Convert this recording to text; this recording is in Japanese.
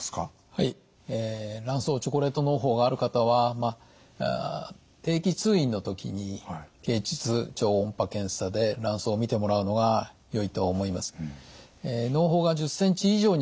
はい卵巣チョコレートのう胞がある方は定期通院の時に経腟超音波検査で卵巣を診てもらうのがよいと思います。